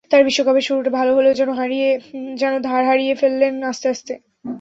তাঁর বিশ্বকাপের শুরুটা ভালো হলেও যেন ধার হারিয়ে ফেললেন আস্তে আস্তে।